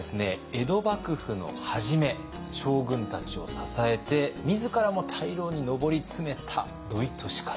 江戸幕府の初め将軍たちを支えて自らも大老に上り詰めた土井利勝。